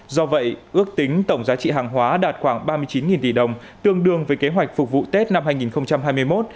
do vậy ước tính tổng giá trị hàng hóa đạt khoảng ba mươi chín tỷ đồng tương đương với kế hoạch phục vụ tết năm hai nghìn hai mươi một